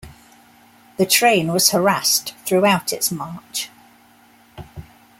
The train was harassed throughout its march.